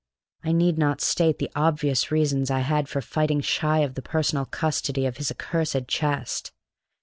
I need not state the obvious reasons I had for fighting shy of the personal custody of his accursed chest.